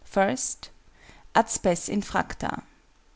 AT SPES INFRACTA.